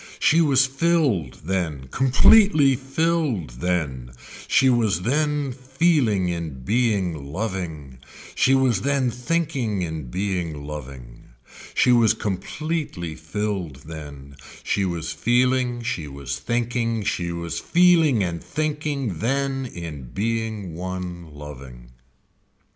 She was filled then, completely filled then, she was then feeling in being loving, she was then thinking in being loving. She was completely filled then. She was feeling, she was thinking, she was feeling and thinking then in being one loving.